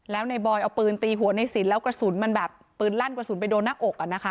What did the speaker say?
แล้วในบอยเอาปืนตีหัวในสินแล้วกระสุนมันแบบปืนลั่นกระสุนไปโดนหน้าอกอ่ะนะคะ